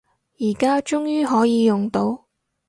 而家終於可以用到